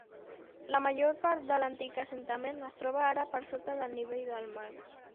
La major part de l'antic assentament es troba ara per sota del nivell del mar.